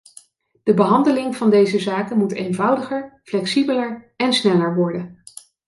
De behandeling van deze zaken moet eenvoudiger, flexibeler en sneller worden.